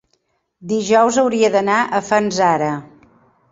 Dijous hauria d'anar a Fanzara.